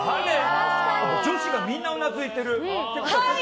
女子がみんなうなずいてる。